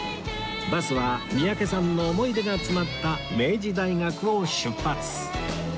バスは三宅さんの思い出が詰まった明治大学を出発